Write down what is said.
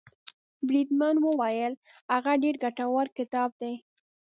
بریدمن وویل هغه ډېر ګټور کتاب دی.